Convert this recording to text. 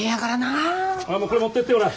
ああこれ持ってってほら。